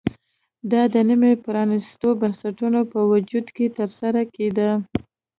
دا د نیمه پرانېستو بنسټونو په وجود کې ترسره کېده